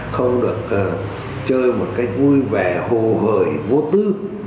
không được chơi một cách vui vẻ hồ gời vô tư